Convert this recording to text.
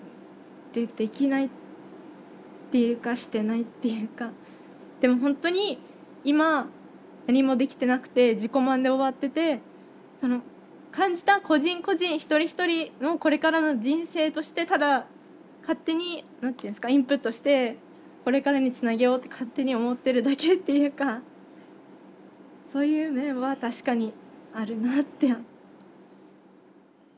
できないっていうかしてないっていうかでも本当に今何もできてなくて自己満で終わってて感じた個人個人一人一人のこれからの人生としてただ勝手にインプットしてこれからにつなげようと勝手に思ってるだけっていうかそういう面は確かにあるなって。